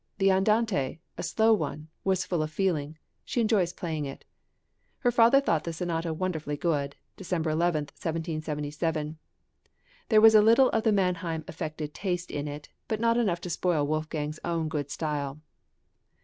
The andante (a slow one) was full of feeling; she enjoys playing it." His father thought the sonata wonderfully good (December 11, 1777); there was a little of the Mannheim affected taste in it, but not enough to spoil Wolfgang's own good style.